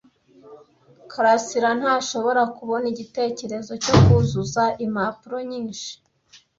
karasira ntashobora kubona igitekerezo cyo kuzuza impapuro nyinshi.